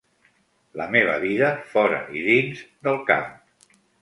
La meva vida fora i dins del camp.